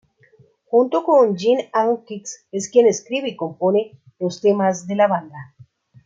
Junto con Jim Adkins, es quien escribe y compone los temas de la banda.